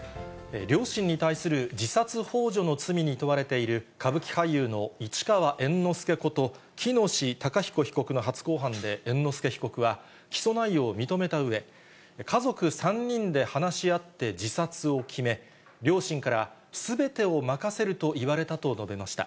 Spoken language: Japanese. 両親に対する自殺ほう助の罪に問われている歌舞伎俳優の市川猿之助こと喜熨斗孝彦被告の初公判で猿之助被告は、起訴内容を認めたうえ、家族３人で話し合って自殺を決め、両親からすべてを任せると言われたと述べました。